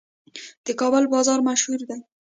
د کابل بازان مشهور دي